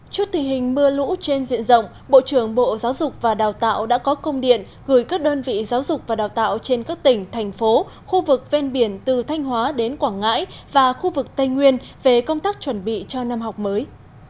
trước tình hình mưa lũ trên diện rộng bộ trưởng bộ giáo dục và đào tạo đã có công điện gửi các đơn vị giáo dục và đào tạo trên các tỉnh thành phố khu vực ven biển từ thanh hóa đến quảng ngãi và khu vực tây nguyên về công tác chuẩn bị cho năm học mới